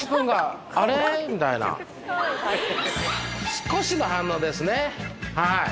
少しの反応ですねはい。